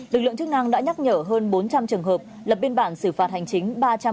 lực lượng chức năng đã nhắc nhở hơn bốn trăm linh trường hợp lập biên bản xử phạt hành chính